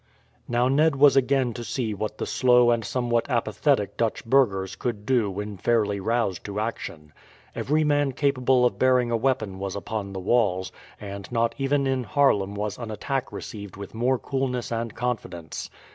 Now Ned was again to see what the slow and somewhat apathetic Dutch burghers could do when fairly roused to action. Every man capable of bearing a weapon was upon the walls, and not even in Haarlem was an attack received with more coolness and confidence.